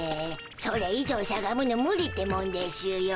それ以上しゃがむの無理ってもんでしゅよ。